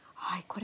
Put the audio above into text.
はい。